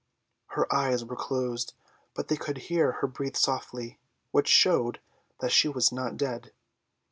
Her eyes were closed, but they could hear her breathe softly, which showed that she was not dead.